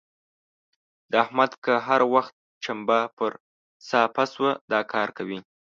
د احمد که هر وخت چمبه پر صافه سوه؛ دا کار کوي.